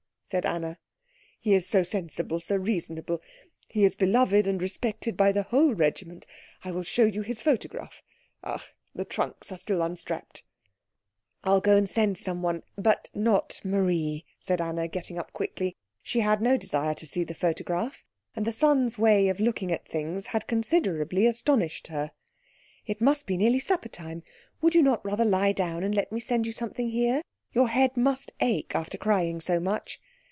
said Anna. "He is so sensible, so reasonable; he is beloved and respected by the whole regiment. I will show you his photograph ach, the trunks are still unstrapped." "I'll go and send someone but not Marie," said Anna, getting up quickly. She had no desire to see the photograph, and the son's way of looking at things had considerably astonished her. "It must be nearly supper time. Would you not rather lie down and let me send you something here? Your head must ache after crying so much.